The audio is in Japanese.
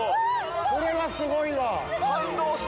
これはすごいわ！